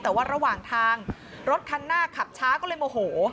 แต่ว่าระหว่างทางรถคันหน้าขับช้าก็เลยโมโห